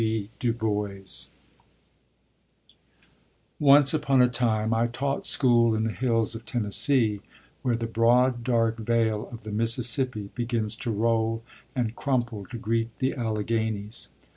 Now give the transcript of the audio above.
B. DUBOIS Once upon a time I taught school in the hills of Tennessee, where the broad dark vale of the Mississippi begins to roll and crumple to greet the Alleghanies.